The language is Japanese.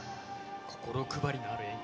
心配りのある演技。